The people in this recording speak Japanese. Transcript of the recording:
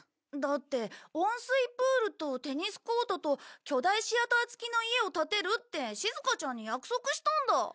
だって温水プールとテニスコートと巨大シアター付きの家を建てるってしずかちゃんに約束したんだ。